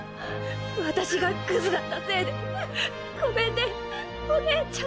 私がグズだったせいでごめんねおねえちゃん。